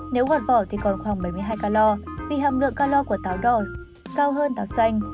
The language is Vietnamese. nếu quả vỏ thì còn khoảng bảy mươi hai calor vì hàm lượng calor của táo đỏ cao hơn táo xanh